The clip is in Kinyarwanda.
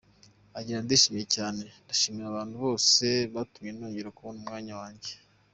Agira ati “ Ndishimye cyane! Ndashimira abantu bose batumye nongera kubona umwana wanjye.